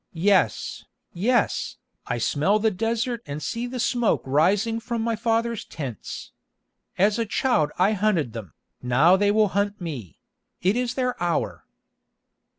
Yes, yes, I smell the desert and see the smoke rising from my father's tents. As a child I hunted them, now they will hunt me; it is their hour."